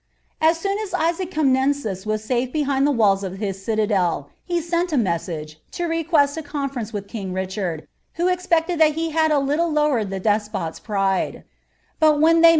li i otin as Isaac Comuenus was safe behind the walls of his citadel, (I a MieHraire, to rei^uest a conference with king Richard, who ex <<: tiial he bad a little lowered the despot's pride; but when they